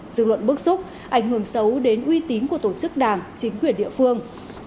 dư luận bức xúc ảnh hưởng xấu đến uy tín của tổ chức đảng chính quyền địa phương